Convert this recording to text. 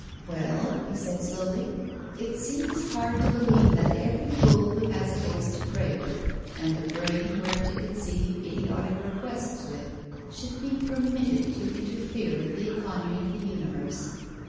"Well," he said slowly, "it seems hard to believe that every fool who has a voice to pray with, and a brain where to conceive idiotic requests with, should be per mitted to interfere with the economy of the universe.